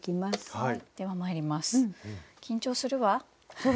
はい。